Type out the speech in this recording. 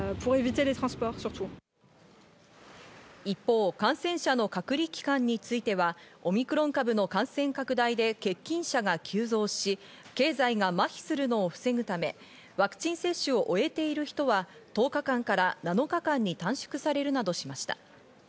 一方、感染者の隔離期間については、オミクロン株の感染拡大で欠勤者が急増し、経済が麻痺するのを防ぐため、ワクチン接種を終えている人は１０日間から７日間に短縮されるなどしました。